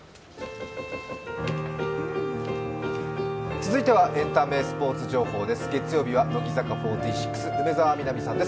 続いてはエンタメ・スポーツ情報です。